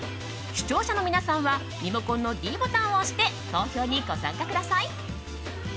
視聴者の皆さんはリモコンのｄボタンを押して投票にご参加ください。